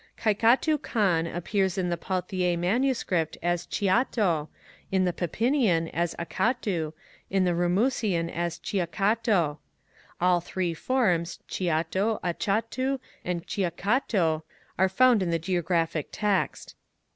Kaikhatu Kaan appears in the Pauthier MSS. as Chiato, in the Plpinian as Acatu, in the Ramusian as Chiacato. All tliree forms^ Chiato, Achatu, and Quiacatu are found in the Geographic Text.